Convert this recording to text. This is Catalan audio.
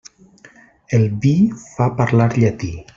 El vi fa parlar llatí.